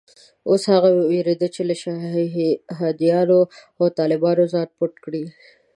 اوس هغه وېرېده چې له شهادیانو او طالبانو ځان پټ کړي.